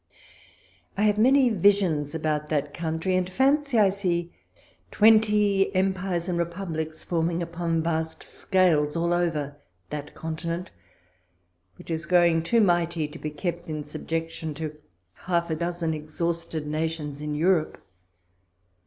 I have many visions about that country, and fancy I see twenty empires and republics forming upon vast scales over all that continent, which is growing too mighty to be kept in subjection to half a dozen exhausted nations in Europe.